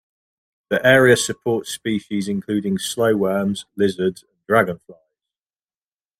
The area supports species including slowworms, lizards, and dragonflies.